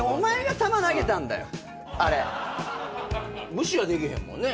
無視はできへんもんね。